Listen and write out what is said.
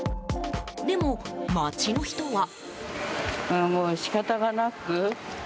でも街の人は。